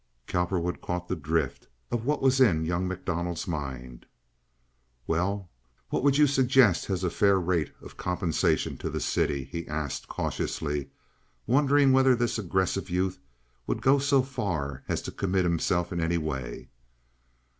Cowperwood caught the drift of what was in young MacDonald's mind. "Well, what would you suggest as a fair rate of compensation to the city?" he asked, cautiously, wondering whether this aggressive youth would go so far as to commit himself in any way.